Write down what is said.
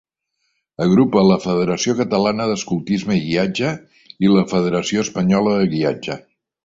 Agrupa la Federació Catalana d'Escoltisme i Guiatge i la Federació Espanyola de Guiatge.